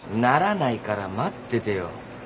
ならないから待っててよ。